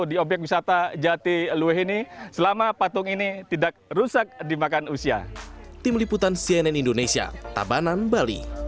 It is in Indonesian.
di obyek wisata jatiluwe ini selama patung ini tidak rusak di makanan usia